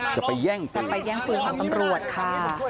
จะไปแย่งจะไปแย่งปืนของตำรวจค่ะ